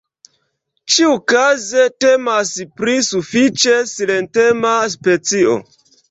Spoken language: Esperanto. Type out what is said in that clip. Ĉiukaze temas pri sufiĉe silentema specio.